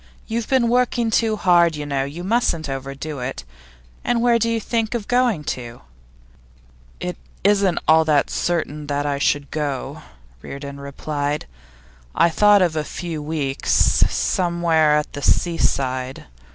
You've been working too hard, you know. You mustn't overdo it. And where do you think of going to?' 'It isn't at all certain that I shall go,' Reardon replied. 'I thought of a few weeks somewhere at the seaside.